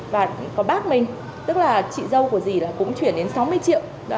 và có bác mình tức là chị dâu của dì là cũng chuyển đến sáu mươi triệu